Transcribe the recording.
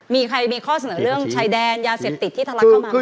มีใครมีข้อเสนอเรื่องชัยแดน